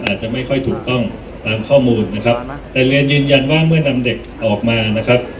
อาจจะไม่ค่อยถูกต้องตามข้อมูลนะครับแต่เรียนยืนยันว่าเมื่อนำเด็กออกมานะครับ